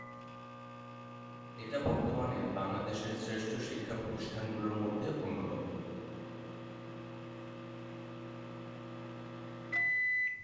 এটা বর্তমানে বাংলাদেশের শ্রেষ্ঠ শিক্ষা প্রতিষ্ঠানগুলোর মধ্যে অন্যতম।